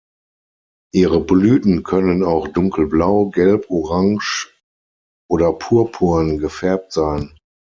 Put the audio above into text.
Ihre Blüten können auch dunkelblau, gelb, orange oder purpurn gefärbt sein.